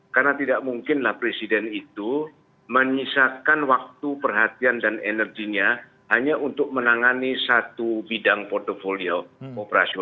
karena tidak mungkinlah presiden itu menyisakan waktu perhatian dan energinya hanya untuk menangani satu bidang portfolio